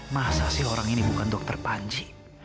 masa sih orang ini bukan dokter panji